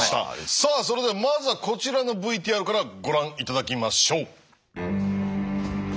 さあそれではまずはこちらのＶＴＲからご覧頂きましょう。